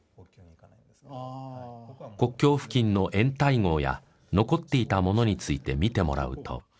国境付近の掩体壕や残っていたものについて見てもらうと。